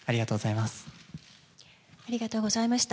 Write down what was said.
ありがとうございます。